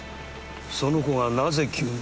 その子がなぜ急に？